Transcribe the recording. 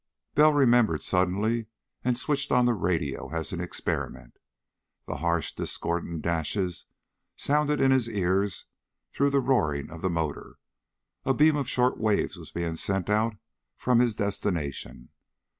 Bell remembered, suddenly, and switched on the radio as an experiment. The harsh, discordant dashes sounded in his ears through the roaring of the motor. A beam of short waves was being sent out from his destination.